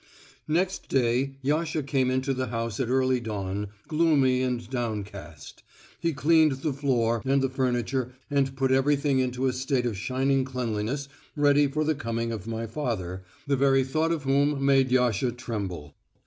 Next day Yasha came into the house at early dawn, gloomy and downcast. He cleaned the floor and the furniture and put everything into a state of shining cleanliness ready for the coming of my father, the very thought of whom made Yasha tremble.